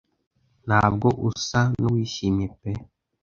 ntabwo usa n'uwishimye pe